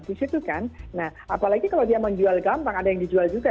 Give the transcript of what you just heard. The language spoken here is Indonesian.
di situ kan nah apalagi kalau dia menjual gampang ada yang dijual juga